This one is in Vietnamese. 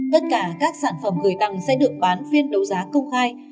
tất cả các sản phẩm gửi tặng sẽ được bán phiên đấu giá công khai